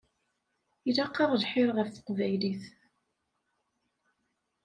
Ilaq-aɣ lḥir ɣef teqbaylit.